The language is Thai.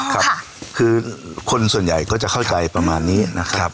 ครับคือคนส่วนใหญ่ก็จะเข้าใจประมาณนี้นะครับ